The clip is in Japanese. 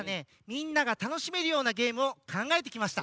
みんながたのしめるようなゲームをかんがえてきました。